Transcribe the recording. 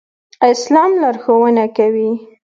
اسلام لارښوونه کوي